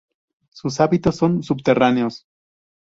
Sus hábitos son subterráneos.